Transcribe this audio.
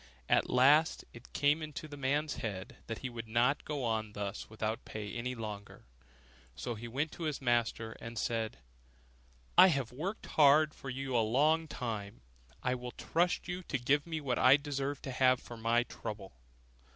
At last it came into the man's head that he would not go on thus without pay any longer; so he went to his master, and said, 'I have worked hard for you a long time, I will trust to you to give me what I deserve to have for my trouble.